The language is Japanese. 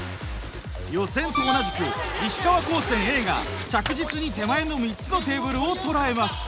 予選と同じく石川高専Ａが着実に手前の３つのテーブルを捉えます。